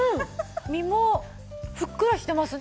身もふっくらしてます。